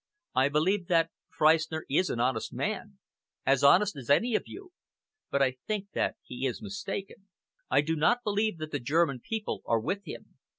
"I believe that Freistner is an honest man, as honest as any of you, but I think that he is mistaken. I do not believe that the German people are with him.